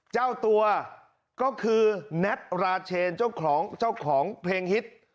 เจ้าตัวก็คือแน็ตราเชนเจ้าของเพลงฮิต